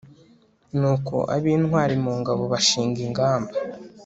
nuko ab'intwari mu ngabo bashinga ingamba